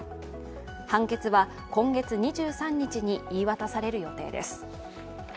判決は今月２３日に言い渡される予定です。